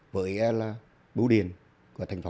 với bú điền của thành phố